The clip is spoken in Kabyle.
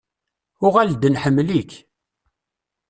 Uɣal-d nḥemmel-ik.